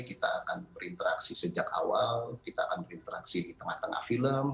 kita akan berinteraksi sejak awal kita akan berinteraksi di tengah tengah film